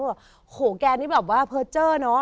แบบโหแกนี่แบบว่าเพอร์เจอร์เนอะ